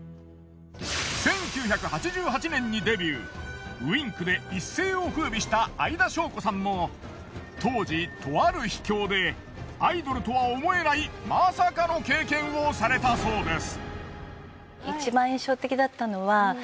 １９８８年にデビューＷｉｎｋで一世をふうびした相田翔子さんも当時とある秘境でアイドルとは思えないまさかの経験をされたそうです。